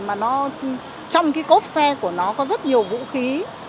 mà trong cốp xe của nó có rất nhiều vũ khí